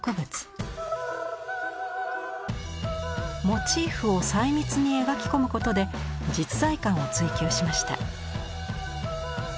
モチーフを細密に描き込むことで実在感を追求しました。